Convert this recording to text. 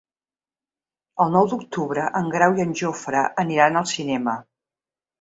El nou d'octubre en Grau i en Jofre aniran al cinema.